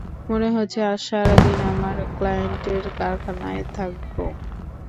মনে হচ্ছে আজ সারাদিন আমার ক্লায়েন্টের কারখানায় থাকবো।